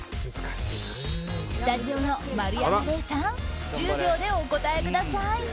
スタジオの丸山礼さん１０秒でお答えください。